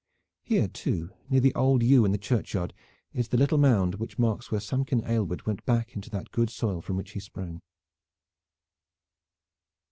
Here too, near the old yew in the churchyard, is the little mound which marks where Samkin Aylward went back to that good soil from which he sprang.